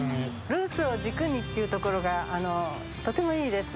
「ルースを軸に」っていうところがとてもいいです。